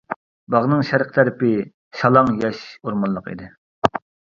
باغنىڭ شەرقى تەرىپى شالاڭ ياش ئورمانلىق ئىدى.